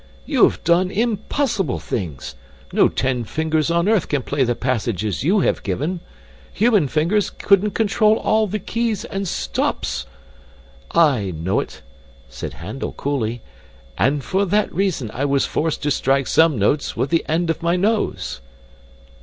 'You have done impossible things no ten fingers on earth can play the passages you have given. Human fingers couldn't control all the keys and stops!' 'I know it,' said Handel coolly, 'and for that reason, I was forced to strike some notes with the end of my nose.